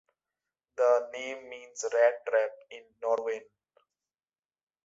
The name means "rat trap" in Norwegian.